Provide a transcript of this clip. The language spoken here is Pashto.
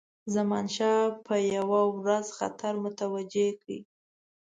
زمانشاه به یو ورځ خطر متوجه کړي.